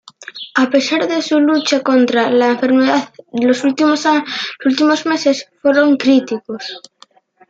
A pesar de su lucha contra la enfermedad los últimos meses, fueron críticos.